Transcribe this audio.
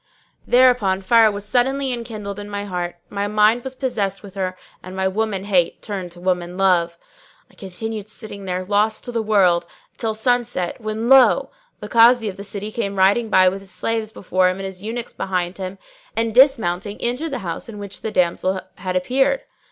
Thereupon fire was suddenly enkindled in my heart; my mind was possessed with her and my woman hate turned to woman love. I continued sitting there, lost to the world, till sunset when lo! the Kazi of the city came riding by with his slaves before him and his eunuchs behind him, and dismounting entered the house in which the damsel had appeared.